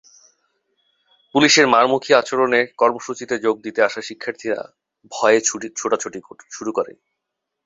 পুলিশের মারমুখী আচরণে কর্মসূচিতে যোগ দিতে আসা শিক্ষার্থীরা ভয়ে ছোটাছুটি শুরু করে।